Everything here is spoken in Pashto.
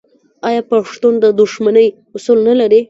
آیا پښتون د دښمنۍ اصول نلري؟